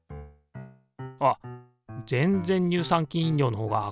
あっ全然乳酸菌飲料のほうが明るい。